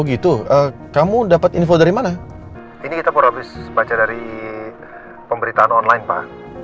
gitu kamu dapat info dari mana ini kita baru habis baca dari pemberitaan online pak